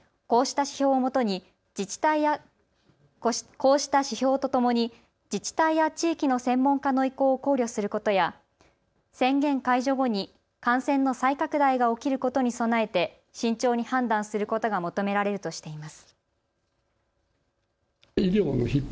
こうした指標とともに自治体や地域の専門家の意向を考慮することや宣言解除後に感染の再拡大が起きることに備えて慎重に判断することが求められるとしています。